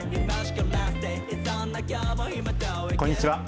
こんにちは。